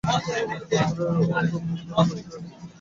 পাথরের মতো মুখ করে বসে রইলেন।